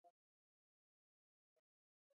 مورغاب سیند د افغانستان د جغرافیایي موقیعت پایله ده.